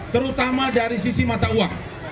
terutama dari sisi mata uang